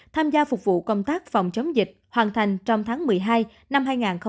tham gia phục vụ công tác phòng chống dịch hoàn thành trong tháng một mươi hai năm hai nghìn hai mươi